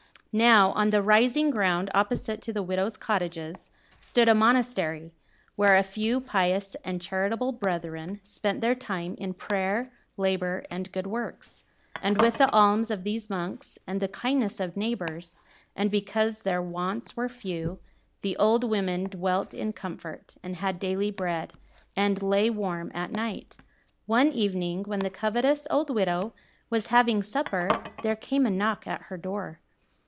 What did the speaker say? Now, on the rising ground opposite to the widows' cottages, stood a monastery where a few pious and charitable brethren spent their time in prayer, labour, and good works. And with the alms of these monks, and the kindness of neighbours, and because their wants were few, the old women dwelt in comfort, and had daily bread, and lay warm at night. One evening, when the covetous old widow was having supper, there came a knock at her door.